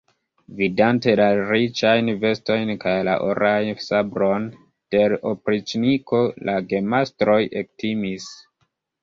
Vidante la riĉajn vestojn kaj la oran sabron de l' opriĉniko, la gemastroj ektimis.